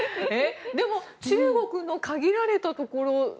でも中国の限られたところ。